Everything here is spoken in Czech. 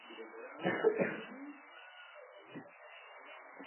Šlo o první rozšíření buddhismu mimo území Indie.